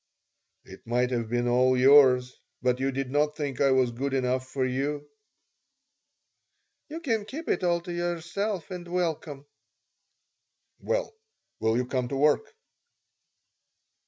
"It might have been all yours. But you did not think I was good enough for you." "You can keep it all to yourself and welcome." "Well, will you come to work?"